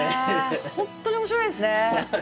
本当に面白いですね。